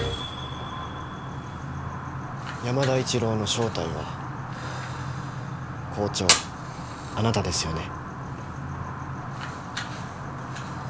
山田一郎の正体は校長あなたですよね。